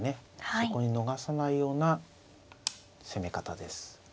そこに逃さないような攻め方です。